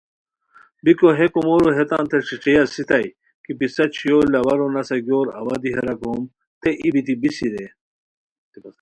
بیکو ہے کومورو ہیتانتے ݯیݯھئے اسیتائے کی پِسہ چھویو لاوارو نسہ گیور اوا دی ہیرا گوم تھے ای بیتی بیسی رے